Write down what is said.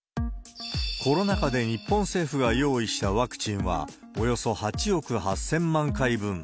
コロナ禍で日本政府が用意したワクチンは、およそ８億８０００万回分。